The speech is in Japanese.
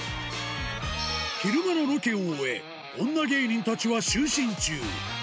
昼間のロケを終え、女芸人たちは就寝中。